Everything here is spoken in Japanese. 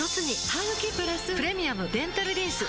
ハグキプラス「プレミアムデンタルリンス」